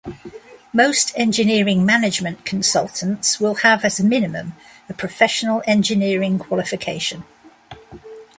Most engineering management consultants will have as a minimum a professional engineering qualification.